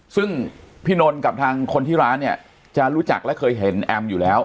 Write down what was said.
ซึ่งพี่นนท์กับทางคนที่ร้านเนี่ยจะรู้จักและเคยเห็นแอมอยู่แล้ว